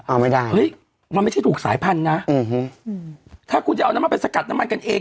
เอาไม่ได้เฮ้ยมันไม่ใช่ถูกสายพันธุ์นะอืมถ้าคุณจะเอาน้ำมันไปสกัดน้ำมันกันเอง